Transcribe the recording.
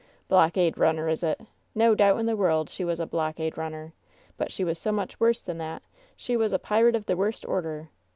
Blockade runner, is it? No doubt in the world she was a blockade runner! But she was so much worse than that that she was a pirate of the worst order!